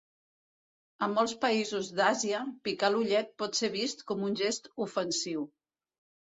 En molts països d'Àsia, picar l'ullet pot ser vist com un gest ofensiu.